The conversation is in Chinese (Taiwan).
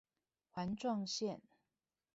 環狀線